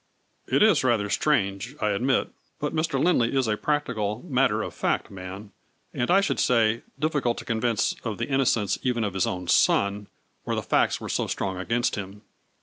" It is rather strange I admit, but Mr. Lindley is a practical matter of fact man, and, I should say, difficult to convince of the innocence even of his own son, where the facts are so strong against him.